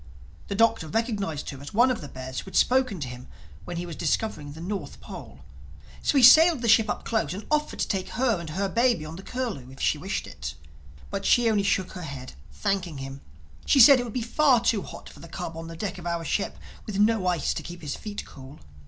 The Doctor recognized her as one of the bears who had spoken to him when he was discovering the North Pole. So he sailed the ship up close and offered to take her and her baby on to the Curlew if she wished it. But she only shook her head, thanking him; she said it would be far too hot for the cub on the deck of our ship, with no ice to keep his feet cool.